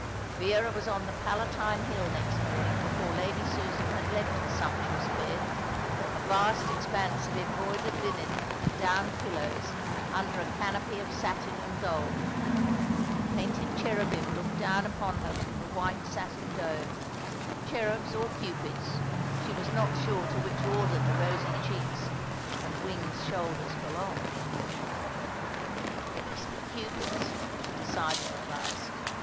Vera was on the Palatine Hill next morning before Lady Susan had left her sumptuous bed, a vast expanse of embroidered linen and down pillows, under a canopy of satin and gold. Painted cherubim looked down upon her from the white satin dome, cherubs or cupids, she was not sure to which order the rosy cheeks and winged shoulders belonged. "They must be cupids," she decided at last.